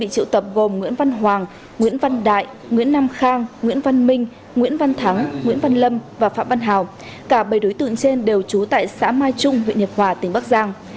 các đối tượng trên đều trú tại xã mai trung huyện hiệp hòa tỉnh bắc giang